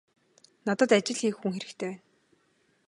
Надад ажил хийх хүн хэрэгтэй байна.